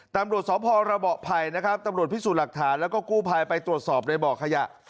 ตำรวจสพระเบาะไผ่นะครับตำรวจพิสูจน์หลักฐานแล้วก็กู้ภัยไปตรวจสอบในเบาะขยะ